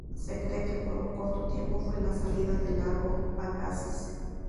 Se cree que por un corto tiempo fue la salida del Lago Agassiz.